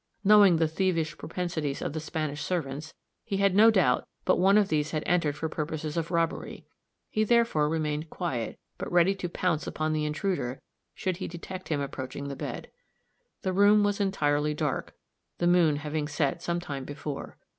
Knowing the thievish propensities of the Spanish servants, he had no doubt but one of these had entered for purposes of robbery; he therefore remained quiet, but ready to pounce upon the intruder should he detect him approaching the bed. The room was entirely dark, the moon having set some time before.